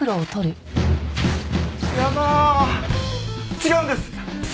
違うんです！